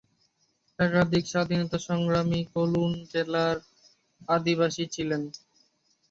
একাধিক স্বাধীনতা সংগ্রামী কুর্নুল জেলার অধিবাসী ছিলেন।